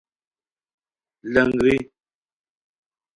لنگری